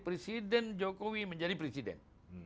presiden jokowi menjadi presiden